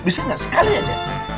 bisa gak sekali aja